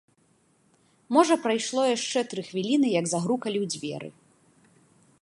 Можа прайшло яшчэ тры хвіліны, як загрукалі ў дзверы.